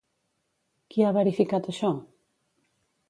Qui ha verificat això?